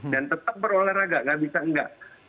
dan tetap berolahraga gak bisa enggak